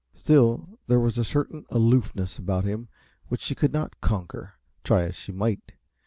Still, there was a certain aloofness about him which she could not conquer, try as she might.